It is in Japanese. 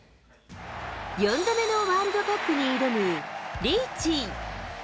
４度目のワールドカップに挑むリーチ。